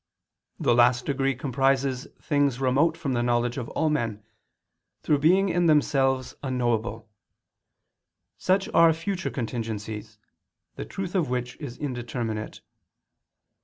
The last degree comprises things remote from the knowledge of all men, through being in themselves unknowable; such are future contingencies, the truth of which is indeterminate.